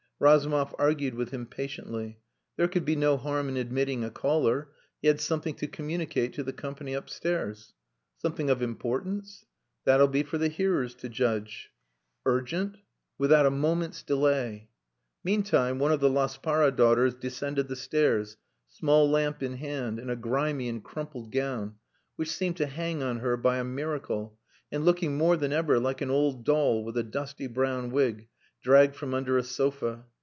Razumov argued with him patiently. There could be no harm in admitting a caller. He had something to communicate to the company upstairs. "Something of importance?" "That'll be for the hearers to judge." "Urgent?" "Without a moment's delay." Meantime, one of the Laspara daughters descended the stairs, small lamp in hand, in a grimy and crumpled gown, which seemed to hang on her by a miracle, and looking more than ever like an old doll with a dusty brown wig, dragged from under a sofa.